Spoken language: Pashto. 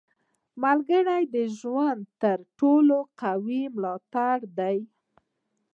• ملګری د ژوند تر ټولو قوي ملاتړی دی.